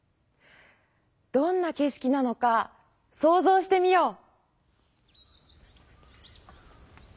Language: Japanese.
どんなけ色なのかそうぞうしてみよう！